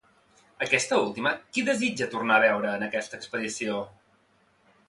Aquesta última, qui desitja tornar a veure en aquesta expedició?